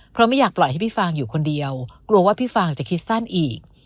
เพราะไม่อยากปล่อยให้พี่ฟางอยู่คนเดียวกลัวว่าพี่ฟางจะคิดสั้นอีก